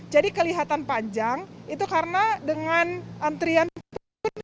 jadi kelihatan panjang itu karena dengan antrean pun